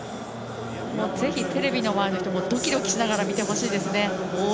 ぜひテレビの前の人もドキドキしながら見てほしいです。